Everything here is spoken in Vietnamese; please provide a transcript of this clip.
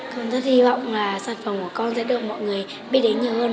con rất hy vọng là sản phẩm của con sẽ được mọi người biết đến nhiều hơn